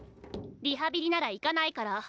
リハビリなら行かないから。